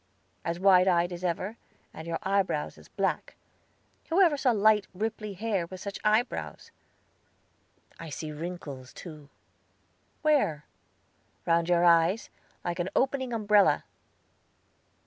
"As wide eyed as ever, and your eyebrows as black. Who ever saw light, ripply hair with such eyebrows? I see wrinkles, too." "Where?" "Round your eyes, like an opening umbrella."